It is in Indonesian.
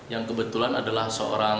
yang kebetulan adalah seorang